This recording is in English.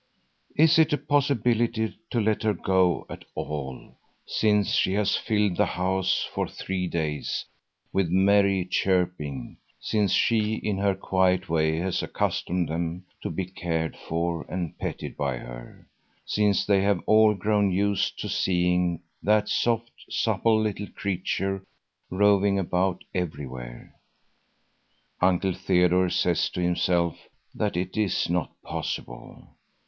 Is it a possibility to let her go at all, since she has filled the house for three days with merry chirping, since she in her quiet way has accustomed them to be cared for and petted by her, since they have all grown used to seeing that soft, supple little creature roving about everywhere. Uncle Theodore says to himself that it is not possible.